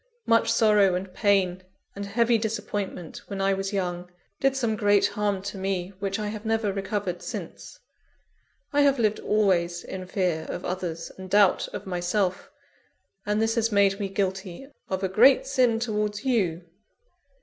Much sorrow and pain and heavy disappointment, when I was young, did some great harm to me which I have never recovered since. I have lived always in fear of others, and doubt of myself; and this has made me guilty of a great sin towards _you.